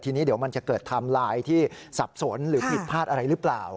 ทีนี้เดี๋ยวมันจะเกิดไทม์ไลน์ที่สับสนหรือผิดพลาดอะไรหรือเปล่า